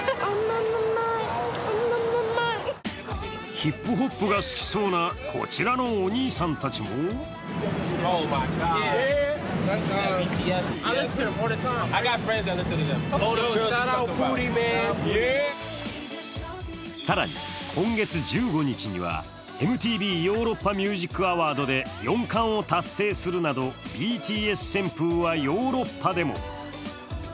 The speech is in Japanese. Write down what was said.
ヒップホップが好きそうなこちらのお兄さんたちも更に今月１５日にはＭＴＶヨーロッパアワードで、４冠を達成するなど、ＢＴＳ旋風はヨーロッパでも。